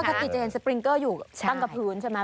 ปกติจะเห็นสปริงเกอร์อยู่ตั้งกับพื้นใช่ไหม